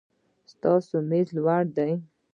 ستا میز لوی دی.